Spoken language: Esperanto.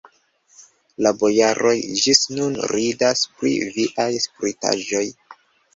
La bojaroj ĝis nun ridas pri viaj spritaĵoj.